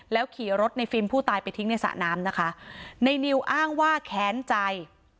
ขี่รถในฟิล์มผู้ตายไปทิ้งในสระน้ำนะคะในนิวอ้างว่าแค้นใจ